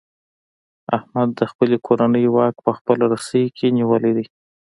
احمد د خپلې کورنۍ واک په خپله رسۍ کې نیولی دی.